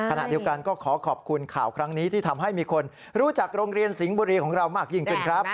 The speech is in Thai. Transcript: ขณะเดียวกันก็ขอขอบคุณข่าวครั้งนี้ที่ทำให้มีคนรู้จักโรงเรียนสิงห์บุรีของเรามากยิ่งขึ้นครับ